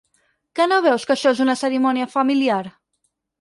¿Que no veus que això és una cerimònia familiar?